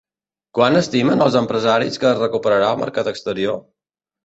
Quan estimen els empresaris que es recuperarà el mercat exterior?